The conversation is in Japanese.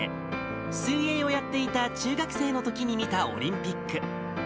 水泳をやっていた中学生のときに見たオリンピック。